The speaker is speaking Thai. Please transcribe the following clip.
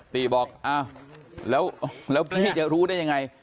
ติบอกแล้วพี่จะรู้ได้หรือยังไง